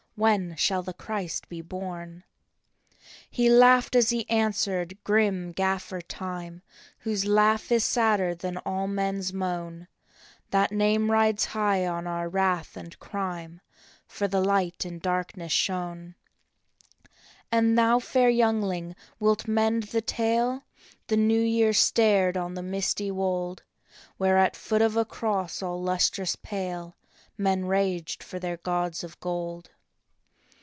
When shall the Christ be born? " He laughed as he answered, grim Gaffer Time, Whose laugh is sadder than all men s moan. " That name rides high on our wrath and crime, For the Light in darkness shone. " And thou, fair youngling, wilt mend the tale? " The New Year stared on the misty wold, Where at foot of a cross all lustrous pale Men raged for their gods of gold.